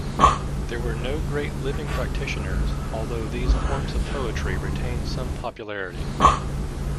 There were no great living practitioners although these forms of poetry retained some popularity.